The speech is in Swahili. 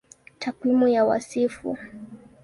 Takwimu ya Wasifu